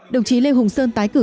đồng chí lê hùng sơn tái cử